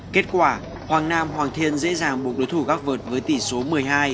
kết quả hoàng nam hoàng thiên dễ dàng buộc đối thủ gác vượt với tỷ số một mươi hai